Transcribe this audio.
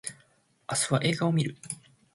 明日は映画を見る